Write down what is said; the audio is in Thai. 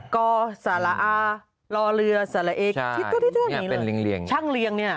ก่อสาระอาลอเรือสาระเอกช่างเรียงนี่